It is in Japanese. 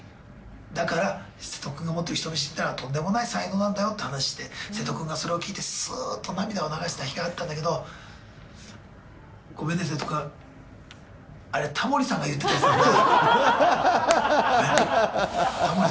だから、瀬戸君が思ってる、人見知りっていったらとんでもない才能なんだよって話して、瀬戸君がそれを聞いて涙を流した日があったんだけど、ごめんね、瀬戸君、あれ、タモリさんが言ってたせりふなんだ。